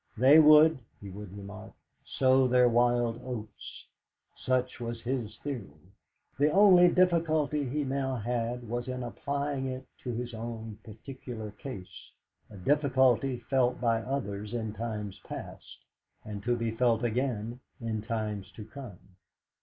They must, he would remark, sow their wild oats. Such was his theory. The only difficulty he now had was in applying it to his own particular case, a difficulty felt by others in times past, and to be felt again in times to come.